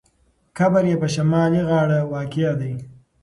قبر یې په شمالي غاړه واقع دی.